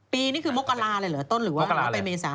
ปีนี้คือมกราเลยเหรอต้นหรือว่าไปเมษา